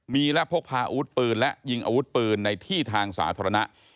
มีและพกพาอาวุธปืนและยิงอาวุธปืนในที่ทางสาธารณะ